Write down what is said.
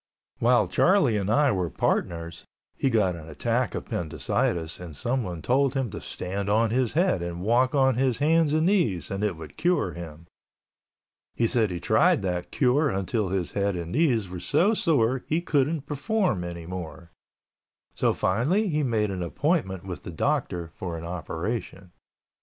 While Charlie and I were partners, he got an attack of appendicitis and someone told him to stand on his head and walk on his hands and knees and it would cure him. He said he tried that cure until his head and knees were so sore he couldn't perform anymore. So he finally made an appointment with the doctor for an operation.